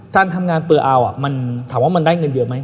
ถ้าทำงานเปอร์เอาถามว่ามันได้เงินเยอะไหม